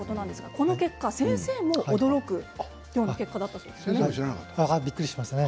その結果、先生も驚く結果だったそうですね。